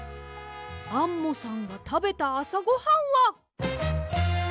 アンモさんがたべたあさごはんは。